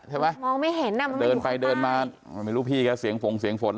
ใช่ไหมเดินไปเดินมาไม่รู้พี่ครับเสียงฝงเสียงฝน